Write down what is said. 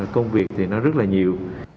công việc thì nó rất là nhiều